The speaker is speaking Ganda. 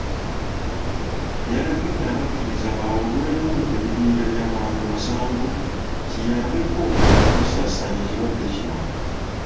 Yalagidde abakkiriza bawulwemu ebibinja by'abantu nsanvu kiyambeko obutasaasaanya kirwadde kino.